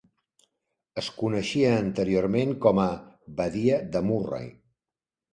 Es coneixia anteriorment com a Badia de Murray.